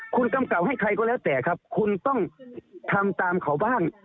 คุณกำกับให้ใครก็แล้วแต่ครับคุณต้องทำตามเขาบ้าง